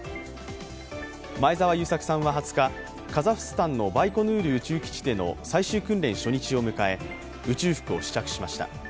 前澤友作さんは２０日、カザフスタンのバイコヌール宇宙基地での最終訓練初日を迎え宇宙服を試着しました。